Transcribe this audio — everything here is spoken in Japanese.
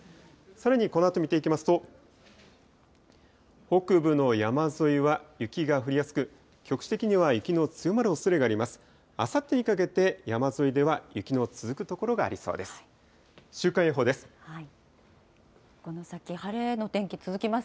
さらにこのあと見ていきますと、北部の山沿いは雪が降りやすく、局地的には雪の強まるおそれがあります。